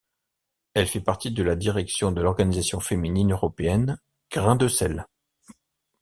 Elle fait partie de la direction de l’organisation féminine européenne Grain de Sel.